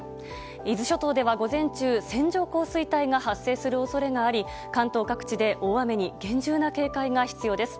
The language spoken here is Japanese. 伊豆諸島では、午前中線状降水帯が発生する恐れがあり関東各地で大雨に厳重な警戒が必要です。